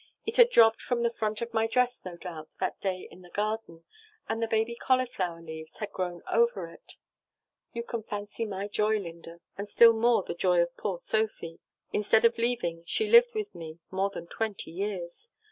It had dropt from the front of my dress, no doubt, that day in the garden, and the baby cauliflower's leaves had grown over it! "You can fancy my joy, Linda, and still more the joy of poor Sophy. Instead of leaving, she lived with me more than twenty years.